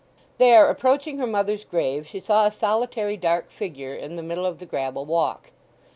There, approaching her mother's grave she saw a solitary dark figure in the middle of the gravel walk.